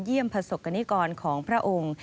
เยี่ยมพระศกรณิกรของพระองค์